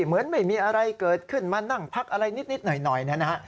เหมือนไม่มีอะไรเกิดขึ้นมานั่งพักอะไรนิดหน่อยนะฮะ